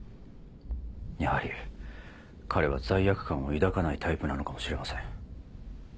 やはり彼は罪悪感を抱かないタイプなのかもしれません。